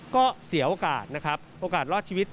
ก็เสียโอกาสนะครับโอกาสรอดชีวิต